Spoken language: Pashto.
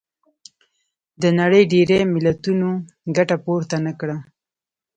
د نړۍ ډېری ملتونو ګټه پورته نه کړه.